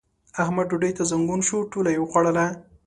احمد ډوډۍ ته زنګون شو؛ ټوله يې وخوړله.